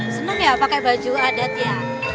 senang ya pakai baju adat ya